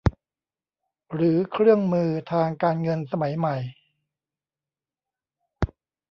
หรือเครื่องมือทางการเงินสมัยใหม่